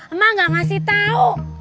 emak nggak ngasih tau